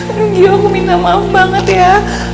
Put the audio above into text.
aduh gio aku minta maaf banget ya